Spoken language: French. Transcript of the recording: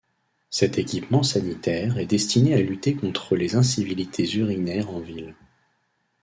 Cet équipement sanitaire est destiné à lutter contre les incivilités urinaires en ville.